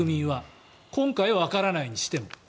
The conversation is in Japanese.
今回はわからないにしても。